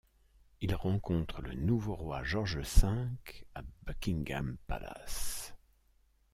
Il rencontre le nouveau roi George V à Buckingham Palace.